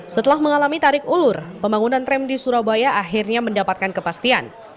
setelah mengalami tarik ulur pembangunan tram di surabaya akhirnya mendapatkan kepastian